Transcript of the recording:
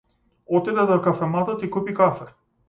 Отиде до кафематот и купи кафе.